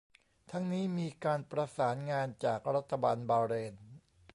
ทั้งนี้มีการประสานงานจากรัฐบาลบาห์เรน